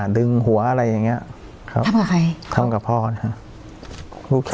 ดึงหัวอะไรอย่างเงี้ยครับทำกับใครทำกับพ่อนะครับ